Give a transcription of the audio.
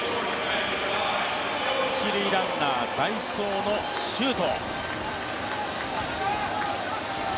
一塁ランナー、代走の周東。